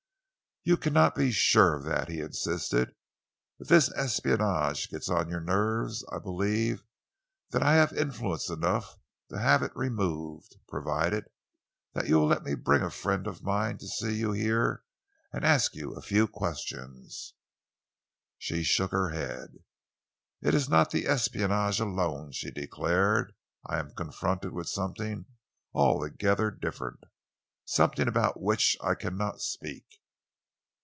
"You cannot be sure of that," he insisted. "If this espionage gets on your nerves, I believe that I have influence enough to have it removed, provided that you will let me bring a friend of mine to see you here and ask you a few questions." She shook her head. "It is not the espionage alone," she declared. "I am confronted with something altogether different, something about which I cannot speak."